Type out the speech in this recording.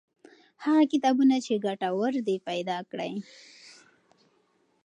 هغه کتابونه چې ګټور دي پیدا کړئ.